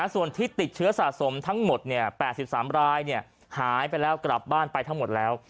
ส่วนที่ติดเชื้อสะสมทั้งหมด๘๓รายหายไปแล้วกลับบ้านไปทั้งหมดแล้ว